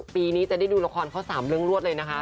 ปีนี้จะได้ดูละครเขา๓เรื่องรวดเลยนะคะ